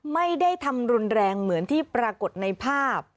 ไม่ได้ทำรุนแรงเหมือนที่ปรากฏในภาพ